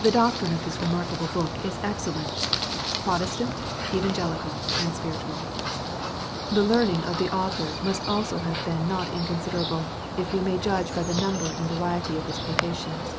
The doctrine of this remarkable book is excellent Prot estant, evangelical, and spiritual. The learning of the au thor must also have been not inconsiderable, if we may iudge by the number and variety of his quotations.